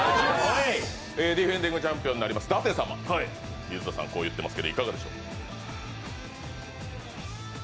ディフェンディングチャンピオンになります舘様、水田さん、こう言ってますが？